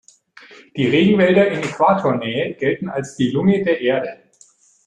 Die Regenwälder in Äquatornähe gelten als die Lunge der Erde.